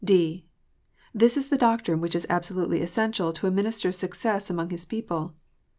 (d) This is the doctrine which is absolutely essential to a minister s success among his people.